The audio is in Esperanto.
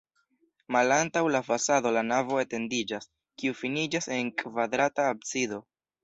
Malantaŭ la fasado la navo etendiĝas, kiu finiĝas en kvadrata absido.